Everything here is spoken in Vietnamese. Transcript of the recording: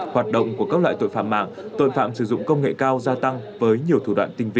hoạt động của các loại tội phạm mạng tội phạm sử dụng công nghệ cao gia tăng với nhiều thủ đoạn tinh vi